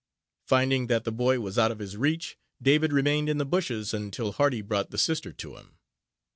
Finding that the boy was out of his reach, David remained in the bushes until Hardy brought the sister to him.